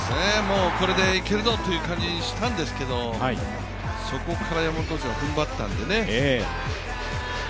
これでいけるぞという感じにしたんですけど、そこから山本投手がふんばったんでね。